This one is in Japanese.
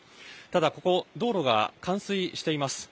ただ、ここ、道路が冠水しています。